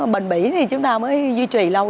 bệnh bỉ thì chúng ta mới duy trì lâu